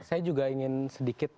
saya juga ingin sedikit